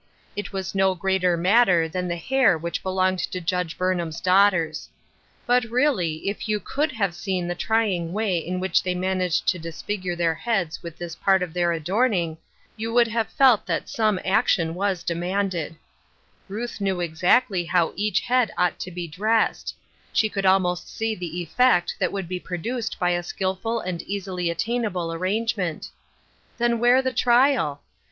It was no greater matter than the hair \^'hich belonged to Judge Burnham 's daughters. But really if you could have seen the trying way in which they managed to disfigure their heads with this part of their adorning, you would have felt that some action was demanded 850 Wherefore t 361 Ruth knew exactly how each head ought to be lii essed ; she could almost see the effect that would be produced by a skillful and easily at tainable arrangement. Then where the trial?